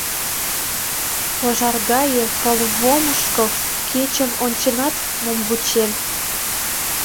Пожар гае пылвомышко кечын онченат мом вучен?